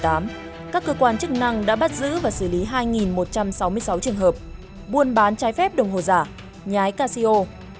các cơ quan chức năng đã bắt giữ và xử lý hai một trăm sáu mươi sáu trường hợp buôn bán trái phép đồng hồ giả nhái casio